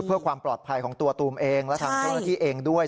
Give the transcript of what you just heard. เพื่อความปลอดภัยของตัวตูมเองและทางเจ้าหน้าที่เองด้วย